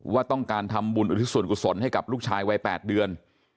ว่าต้องการทำบุญอุทิศส่วนกุศลให้กับลูกชายวัย๘เดือน